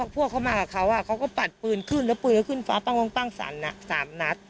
พวกเขามากับเขาเขาก็ปัดปืนขึ้นแล้วปืนก็ขึ้นฟ้าปั้งตั้งสรร๓นัด